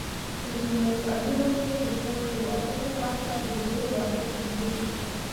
په ځینو ځایونو کې د خور د واده تر وخته د ورور واده ځنډېږي.